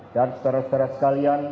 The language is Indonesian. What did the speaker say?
dan saudara saudara sekalian